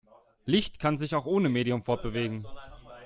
Licht kann sich auch ohne Medium fortbewegen.